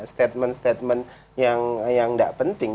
statement statement yang nggak penting